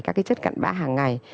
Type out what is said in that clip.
các cái chất cận bã hàng ngày